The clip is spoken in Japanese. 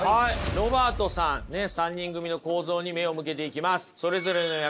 ロバートさん３人組の構造に目を向けていきます。